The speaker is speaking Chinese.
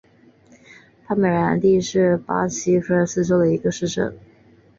帕尔梅兰蒂是巴西托坎廷斯州的一个市镇。